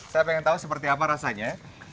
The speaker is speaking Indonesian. saya ingin tahu seperti apa rasanya